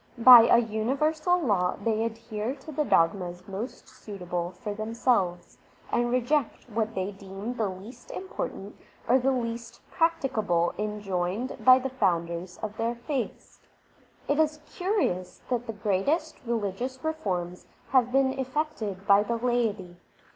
By a universal law they adhere to the dogmas most suitable for themselves, and reject what they deem the least important or the least practicable enjoined by the founders of their faiths. liv THE SIKH RELIGION It is curious that the greatest religious reforms have been effected by the laity.